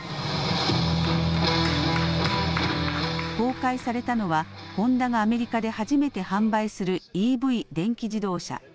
公開されたのはホンダがアメリカで初めて販売するＥＶ・電気自動車。